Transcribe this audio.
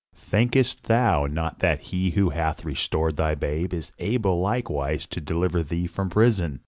"Thinkest thou not that he who hath restored thy babe is able likewise to deliver thee from prison?"